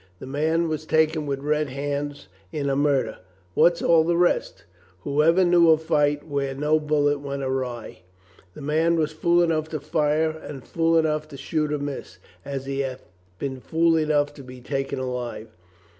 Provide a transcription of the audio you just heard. The man was taken with red hands in a murder. What's all the rest? Whoever knew a fight where no bullet went awry? This man was fool enough to fire and fool enough to shoot amiss, as he hath been fool enough to be taken alive.